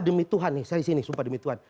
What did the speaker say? demi tuhan nih saya di sini sumpah demi tuhan